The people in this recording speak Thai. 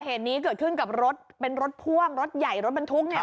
เหตุนี้เกิดขึ้นกับรถเป็นรถพ่วงรถใหญ่รถบรรทุกเนี่ย